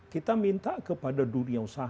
kita minta kepada dunia usaha